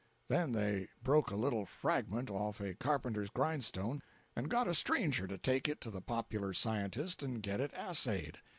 Then they broke a little fragment off a carpenter's grindstone and got a stranger to take it to the popular scientist and get it assayed.